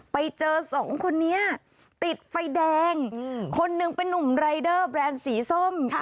ไปเจอสองคนนี้ติดไฟแดงคนหนึ่งเป็นนุ่มรายเดอร์แบรนด์สีส้ม